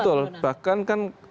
betul bahkan kan